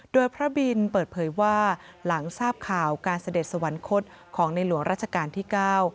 โดยพระบินเปิดเผยว่าหลังทราบข่าวการเสด็จสวรรคตของในหลวงราชการที่เก้า